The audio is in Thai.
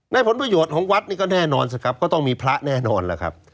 ผลประโยชน์ของวัดนี่ก็แน่นอนสิครับก็ต้องมีพระแน่นอนล่ะครับ